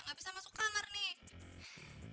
ga bisa masuk kamar nek